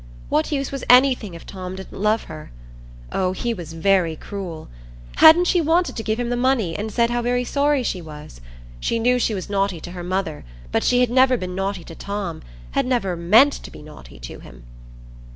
What use was anything if Tom didn't love her? Oh, he was very cruel! Hadn't she wanted to give him the money, and said how very sorry she was? She knew she was naughty to her mother, but she had never been naughty to Tom—had never meant to be naughty to him.